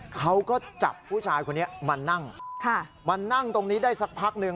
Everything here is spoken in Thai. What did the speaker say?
เขาก็จับผู้ชายคนนี้มานั่งมานั่งตรงนี้ได้สักพักหนึ่ง